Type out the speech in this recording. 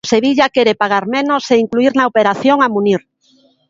O Sevilla quere pagar menos e incluír na operación a Munir.